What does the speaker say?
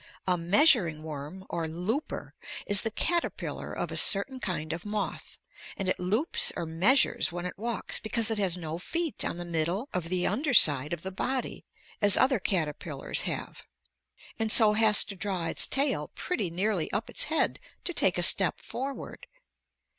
A measuring worm or looper is the caterpillar of a certain kind of moth, and it loops or measures when it walks because it has no feet on the middle of the under side of the body as other caterpillars have, and so has to draw its tail pretty nearly up its head to take a step forward.